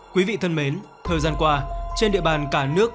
quý vị thân mến thời gian qua trên địa bàn cả nước